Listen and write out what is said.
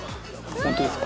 本当ですか？